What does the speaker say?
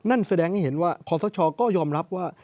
นั่นแสดงให้เห็นว่าคอสชก็ยอมรับว่า